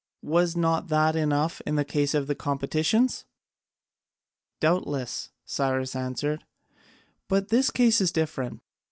Was not that enough in the case of the competitions?" "Doubtless," Cyrus answered, "but this case is different.